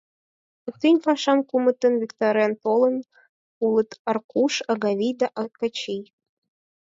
Пӱтынь пашам кумытын виктарен толын улыт: Аркуш, Агавий да Окачий.